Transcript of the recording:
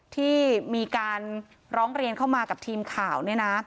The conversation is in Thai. ที่มีการร้องเรียนเข้ามากับทีมข่าว